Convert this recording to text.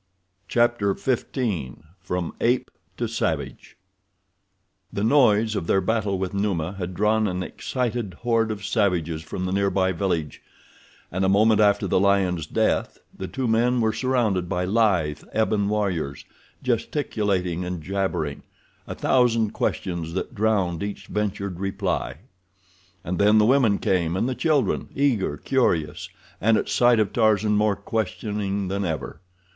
Chapter XV From Ape to Savage The noise of their battle with Numa had drawn an excited horde of savages from the nearby village, and a moment after the lion's death the two men were surrounded by lithe, ebon warriors, gesticulating and jabbering—a thousand questions that drowned each ventured reply. And then the women came, and the children—eager, curious, and, at sight of Tarzan, more questioning than ever.